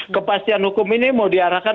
kepastian hukum ini mau diarahkan